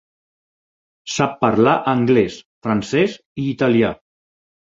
Sap parlar anglès, francès i italià.